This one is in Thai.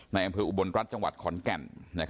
ในอำหรับอุบรรณรัฐจังหวัดขอนแก่น